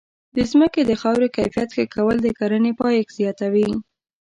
د ځمکې د خاورې کیفیت ښه کول د کرنې پایښت زیاتوي.